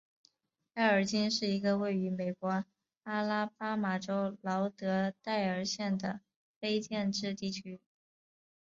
埃尔金是一个位于美国阿拉巴马州劳德代尔县的非建制地区。